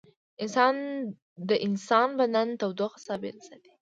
د انسان بدن تودوخه ثابته ساتي